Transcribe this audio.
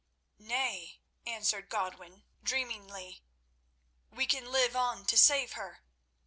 "Nay," answered Godwin, dreamingly; "we can live on to save her.